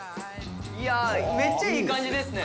いやめっちゃいい感じですね。